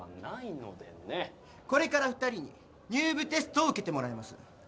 これから２人に入部テストを受けてもらいます。